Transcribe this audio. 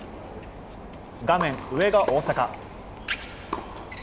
画面上が大坂。